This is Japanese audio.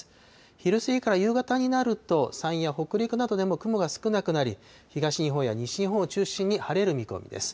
昼過ぎから夕方になると、山陰や北陸などでも雲が少なくなり、東日本や西日本を中心に晴れる見込みです。